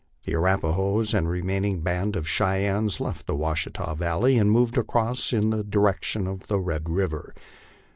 The Arrapahoes and remaining band of Cheyennes left the Washi ta valley and moved across in the direction of Red river.